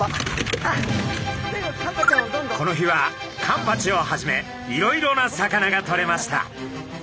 この日はカンパチをはじめいろいろな魚がとれました。